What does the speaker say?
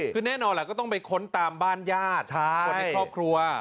คือแน่นอนแหละก็ต้องไปค้นตามบ้านญาติคนในครอบครัว